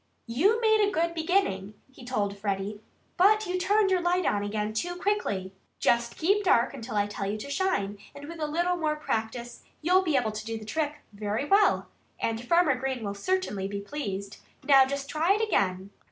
"You made a good beginning," he told Freddie. "But you turned your light on again too quickly. Just keep dark until I tell you to shine, and with a little practice you'll be able to do the trick very well. And Farmer Green will certainly be pleased. Now, just try it again!"